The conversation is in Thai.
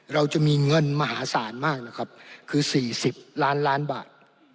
เราจะมีเงินมหาศาลมากนะครับคือ๔๐ล้านล้านบาท